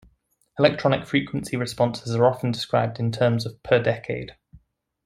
Electronic frequency responses are often described in terms of "per decade".